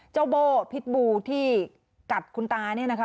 โบ้พิษบูที่กัดคุณตาเนี่ยนะคะ